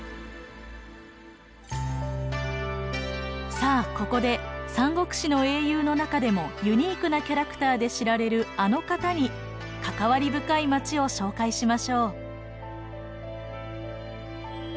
さあここで「三国志」の英雄の中でもユニークなキャラクターで知られるあの方に関わり深い町を紹介しましょう。